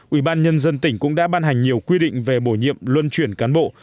ủy ban nhân dân tỉnh cũng đã ban hành nhiều quy định về bổ nhiệm luân chuyển cán bộ